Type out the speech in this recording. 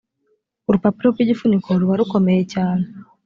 urupapuro rw’ igifuniko ruba rukomeye cyane.